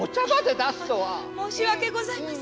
申し訳ございません。